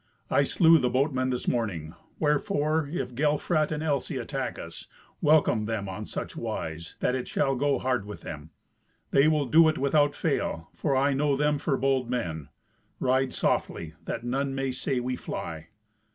I slew the boatman this morning; wherefore, if Gelfrat and Elsy attack us, welcome them on such wise that it shall go hard with them. They will do it without fail, for I know them for bold men. Ride softly, that none may say we fly."